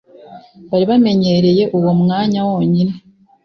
bari bamenyereye Uwo mwanya wonyine